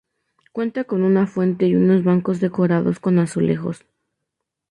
Cuenta con una fuente y unos bancos decorados con azulejos.